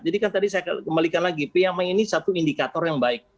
jadi kan tadi saya kembalikan lagi pmi ini satu indikator yang baik